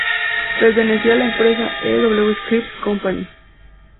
Pertenecía a la empresa E. W. Scripps Company.